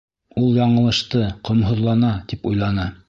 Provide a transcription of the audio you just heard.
Ул яңылышты, ҡомһоҙлана, тип уйланы.